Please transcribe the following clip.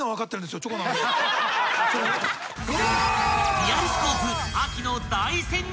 ［『リアルスコープ』］